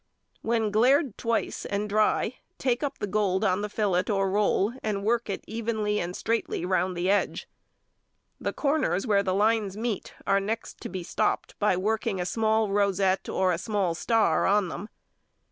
When glaired twice and dry, take up the gold on the fillet or roll and work it evenly and straightly round the edge. The corners where the lines meet are next to be stopped by working a small rosette or small star on them.